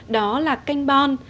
đó là canh bon